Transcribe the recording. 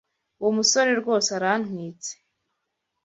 Uwo musore rwose arantwitse.